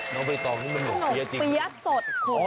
น้องเบย์ตองนี่เป็นหนุ่มเปี๊ยะจริง